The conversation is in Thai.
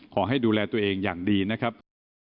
ขอให้ดูแลตัวเองอย่างดีนะครับ